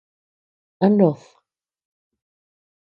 ¿ A nood?